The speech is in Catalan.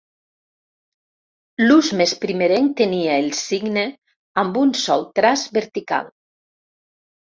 L'ús més primerenc tenia el signe amb un sol traç vertical.